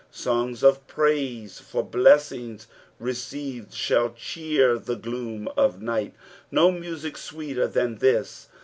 Songs of praise for blessings received shall cheer the gloom of night. No music sweeter than this.